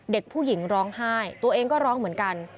เด็กผู้หญิงร้องไห้ตัวเองก็ร้องเหมือนกัน